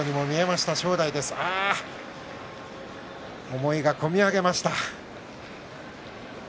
思いが込み上げました。